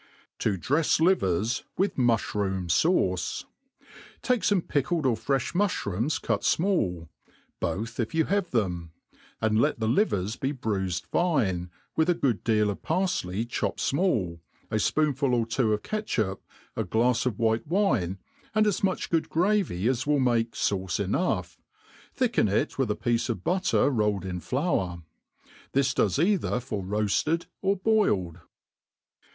To drefs Livers 'with Muflirootn fauce. TA](C£ fome pickled or frefh muOirooms cut fmall; both if you have them ; and let the livers be bruifed fine, with a good deal of parfley chopped fmall, a fpoonful or two of catch* up, a glafs of white wine, and as much good gravy, as will .aiake fauce enough ; thicken it with a piece of butter rolled in flour. This docs either for roafted or boiled.